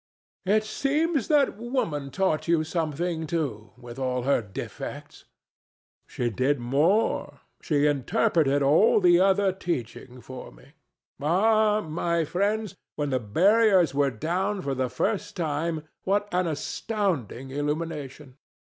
ANA. It seems that Woman taught you something, too, with all her defects. DON JUAN. She did more: she interpreted all the other teaching for me. Ah, my friends, when the barriers were down for the first time, what an astounding illumination!